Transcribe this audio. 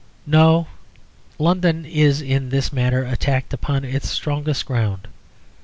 No; London is in this matter attacked upon its strongest ground.